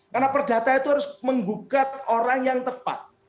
karena perdata itu harus menggugat orang yang tepat